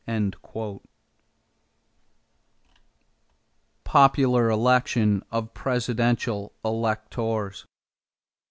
=Popular Election of Presidential Electors.